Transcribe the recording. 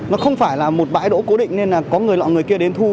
nó không phải là một bãi đỗ cố định nên có người lọc người kia đến thu